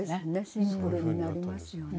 シンプルになりますよね。